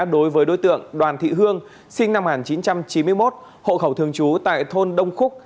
đối với đối tượng đoàn thị hương sinh năm một nghìn chín trăm chín mươi một hộ khẩu thường trú tại thôn đông khúc